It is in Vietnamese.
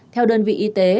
theo đơn vị y tế